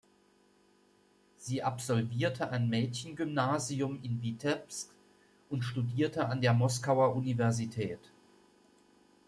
Sie absolvierte ein Mädchengymnasium in Witebsk und studierte an der Moskauer Universität.